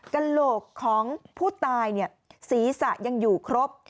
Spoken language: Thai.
กระโหลกของผู้ตายศีรษะยังอยู่ครบ